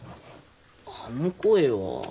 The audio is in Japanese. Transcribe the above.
あの声は。